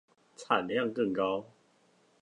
產量更高